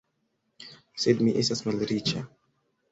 Sed mi estas malriĉa.